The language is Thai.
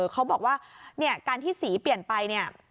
เขาบอกว่าการที่สีเปลี่ยนไป